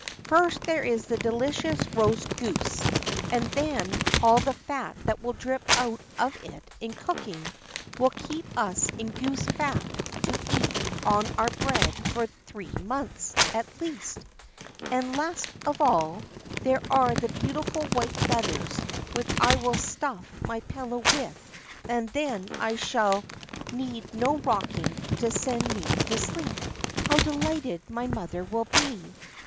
First, there is the delicious roast goose, and then all the fat that will drip out of it in cooking will keep us in goose fat to eat on our bread for three months, at least; and, last of all, there are the beautiful white feathers, which I will stuff my pillow with, and then I shall need no rocking to send me to sleep. How delighted my mother will be!"